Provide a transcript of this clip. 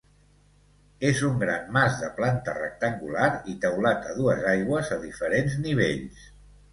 És un gran mas de planta rectangular i teulat a dues aigües a diferents nivells.